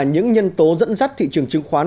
những nhân tố dẫn dắt thị trường chứng khoán